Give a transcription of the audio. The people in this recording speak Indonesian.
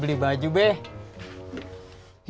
beli baju beh